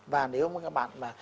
và nếu không có các bạn mà